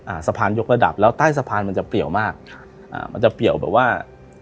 สะพานยกระดับแล้วใต้สะพานมันจะเปรียวมากค่ะอ่ามันจะเปลี่ยวแบบว่า